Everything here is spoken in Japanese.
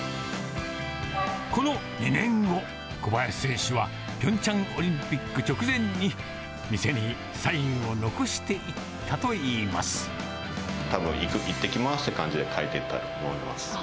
この２年後、小林選手はピョンチャンオリンピック直前に、店にサインを残してたぶん、いってきますって感じで書いていったと思います。